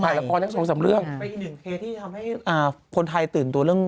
กำลังจะถ่ายละครทั้งสองสามเรื่องเป็นอีกหนึ่งเคสที่ทำให้คนไทยตื่นตัวเรื่อง